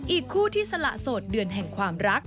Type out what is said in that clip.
อีกคู่ที่สละโสดเดือนแห่งความรัก